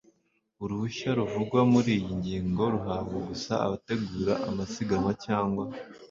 uruhushya ruvugwa muri iyi ngingo ruhabwa gusa abategura amasiganwa cyangwa